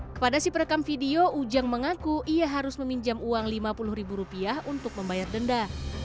kepada si perekam video ujang mengaku ia harus meminjam uang lima puluh ribu rupiah untuk membayar denda